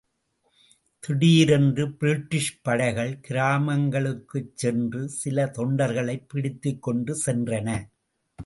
திடீர்ரென்று British படைகள் கிராமங்களுக்குச்சென்று சில தொண்டர்களைப் பிடித்துக் கொண்டு சென்றன.